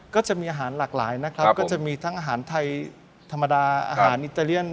ก็จะมีอาหารหลากหลายนะครับก็จะมีทั้งอาหารไทยธรรมดาอาหารอิตาเลียน